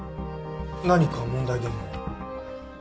何か問題でも？